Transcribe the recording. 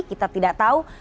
kita tidak tahu